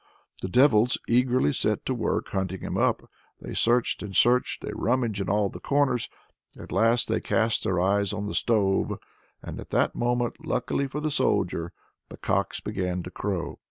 The devils eagerly set to work to hunt him up. They searched and searched, they rummaged in all the corners. At last they cast their eyes on the stove; at that moment, luckily for the Soldier, the cocks began to crow.